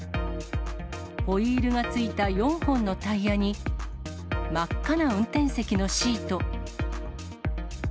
ホイールがついた４本のタイヤに、真っ赤な運転席のシート。